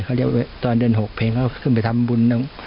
ก็เรียกตอนเดือนหกเพ็งเขาก็ขึ้นไปทำบุรณ์แล้ว